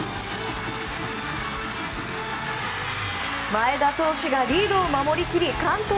前田投手がリードを守り切り完投！